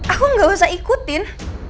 aku gak usah ikutin